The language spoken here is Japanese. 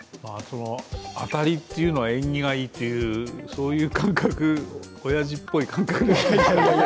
当たりというのは、縁起がいいっていう、そういう感覚おやじっぽい感覚で。